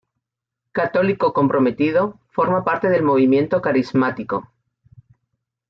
Católico comprometido, forma parte del Movimiento carismático.